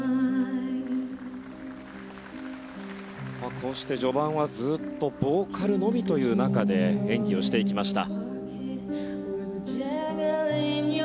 こうして序盤はずっとボーカルのみという中で演技をしていきました。